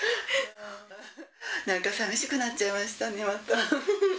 なんかさみしくなっちゃいましたね、また。